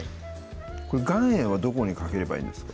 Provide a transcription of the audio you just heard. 岩塩はどこにかければいいんですか？